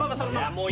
もう。